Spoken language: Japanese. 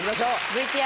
ＶＴＲ。